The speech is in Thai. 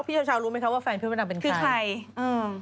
พี่เช้ารู้ไหมครับว่าแฟนพี่ประดำเป็นใครคือใคร